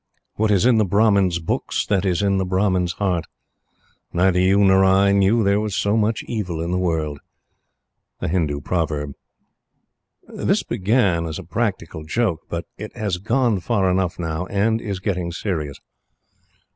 What is in the Brahmin's books that is in the Brahmin's heart. Neither you nor I knew there was so much evil in the world. Hindu Proverb. This began in a practical joke; but it has gone far enough now, and is getting serious.